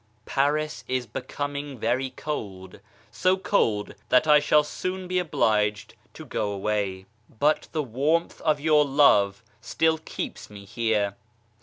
JDARIS is becoming very cold, so cold that I shall soon be A obliged to go away, but the warmth of your love still 58 EVOLUTION OF THE SOUL keeps me here.